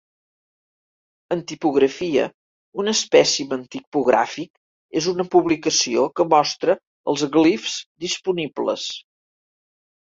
En tipografia un espècimen tipogràfic és una publicació que mostra els glifs disponibles.